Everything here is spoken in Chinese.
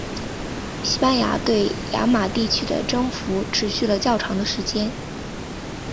西班牙对玛雅地区的征服持续了较长的时间。